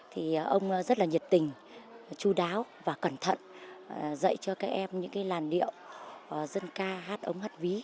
thì ông rất là nhiệt tình chú đáo và cẩn thận dạy cho các em những cái làn điệu dân ca hát ống hát ví